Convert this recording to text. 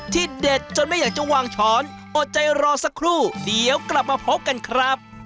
เด็ดจนไม่อยากจะวางช้อนอดใจรอสักครู่เดี๋ยวกลับมาพบกันครับ